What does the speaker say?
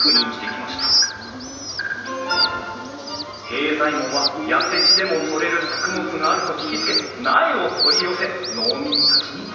平左衛門は痩せ地でも採れる作物があると聞きつけ苗を取り寄せ農民たちにつくらせた。